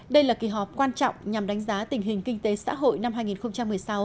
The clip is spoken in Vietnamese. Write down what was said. đây là kỳ họp quan trọng nhằm đánh giá tình hình kinh tế xã hội năm hai nghìn một mươi sáu